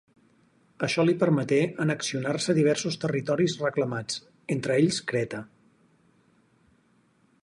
Això li permeté annexionar-se diversos territoris reclamats, entre ells, Creta.